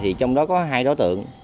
trong đó có hai đối tượng